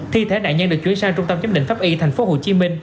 thi thể nạn nhân được chuyển sang trung tâm giám định pháp y tp hcm